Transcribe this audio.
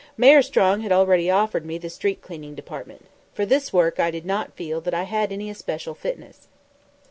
Mayor Strong had already offered me the Street Cleaning Department. For this work I did not feel that I had any especial fitness.